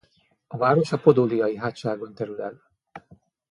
A város a Podóliai-hátságon terül el.